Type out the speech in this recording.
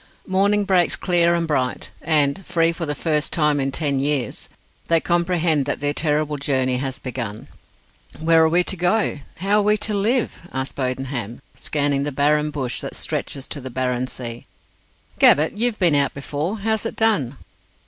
Morning breaks clear and bright, and free for the first time in ten years they comprehend that their terrible journey has begun. "Where are we to go? How are we to live?" asked Bodenham, scanning the barren bush that stretches to the barren sea. "Gabbett, you've been out before how's it done?"